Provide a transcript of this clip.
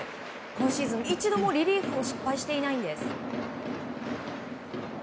今シーズン、一度もリリーフを失敗していないんです。